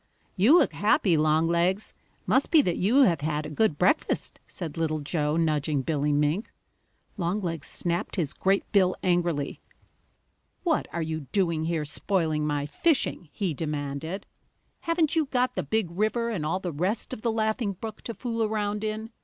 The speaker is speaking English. "You look happy, Longlegs. Must be that you have had a good breakfast," said Little Joe, nudging Billy Mink. Longlegs snapped his great bill angrily. "What are you doing here, spoiling my fishing?" he demanded. "Haven't you got the Big River and all the rest of the Laughing Brook to fool around in?